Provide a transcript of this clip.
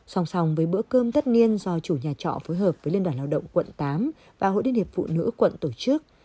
xong xong với bữa cơm tất niên do chủ nhà trọ phối hợp với liên đoàn lao động quận tám và hội điện hiệp phụ nữ quận tổ chức